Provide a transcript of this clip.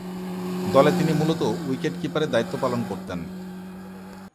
দলে তিনি মূলতঃ উইকেট-কিপারের দায়িত্ব পালন করতেন।